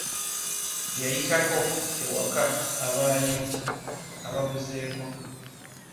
Yayitako ewaka abaayo ababuzeeko .